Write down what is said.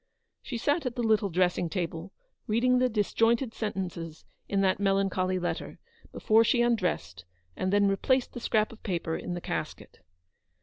She sat at the little dressing table, reading the disjointed sentences in that melancholy letter, before she undressed, and then replaced the scrap of paper in the casket.